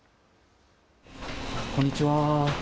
こんにちは。